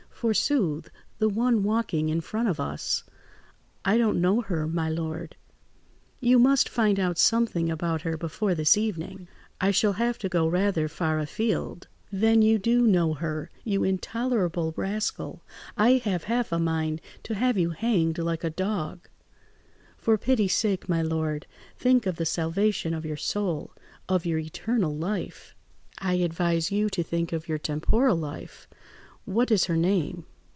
"Forsooth! The one walking in front of us." "I don't know her, my lord." "You must find out something about her before this evening." "I shall have to go rather far afield." "Then you do know her, you intolerable rascal! I have half a mind to have you hanged like a dog." "For pity's sake, my lord, think of the salvation of your soul, of your eternal life." "I advise you to think of your temporal life. What is her name?"